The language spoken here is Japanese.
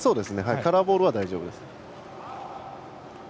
カラーボールは大丈夫です。